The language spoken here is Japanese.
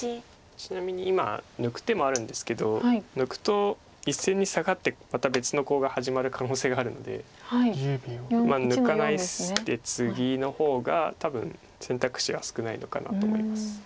ちなみに今抜く手もあるんですけど抜くと１線にサガってまた別のコウが始まる可能性があるので抜かないでツギの方が多分選択肢が少ないのかなと思います。